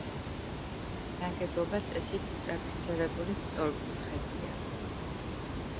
ნაგებობა წესით წაგრძელებული სწორკუთხედია.